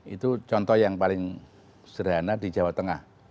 itu contoh yang paling sederhana di jawa tengah